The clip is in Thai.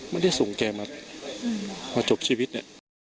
ไม่ได้ส่งแกมาจบชีวิตเนี่ย